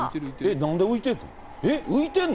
なんで浮いてんの？